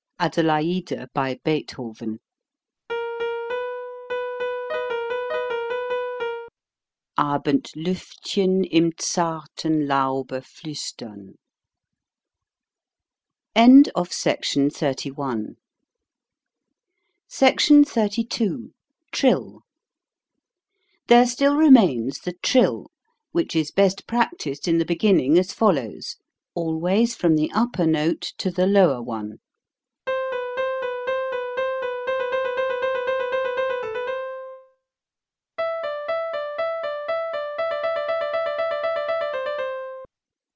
Adelaide, by Beethoven A bend luft chen im zar ten Lau be flu stern SECTION XXXII TRILL THERE still remains the trill, which is best practised in the beginning as follows : always from the upper note to the lower one.